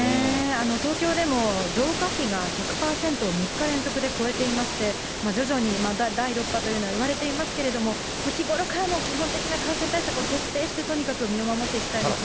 東京でも増加比が１００％を３日連続で超えていまして、徐々にまた第６波というのがいわれていますけれども、日頃からの基本的な感染対策を徹底して、とにかく身を守っていきたいですよね。